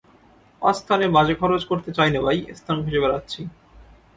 অস্থানে বাজে খরচ করতে চাই নে ভাই, স্থান খুঁজে বেড়াচ্ছি।